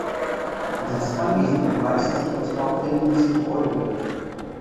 Das Anwesen erweist sich als baufälliges Gebäude.